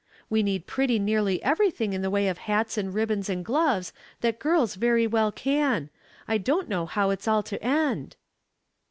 We need pretty nearly everything in the way of hats and ribbons and gloves that girls very well can. I don't know how it's all to end."